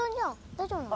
大丈夫なの？